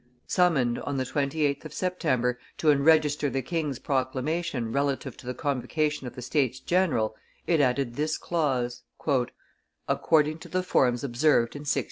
Summoned, on the 28th of September, to enregister the king's proclamation relative to the convocation of the States general, it added this clause: "According to the forms observed in 1614."